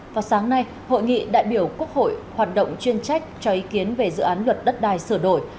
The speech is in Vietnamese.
vào sáng nay hội nghị đại biểu quốc hội hoạt động chuyên trách cho ý kiến về dự án luật đất đai sửa đổi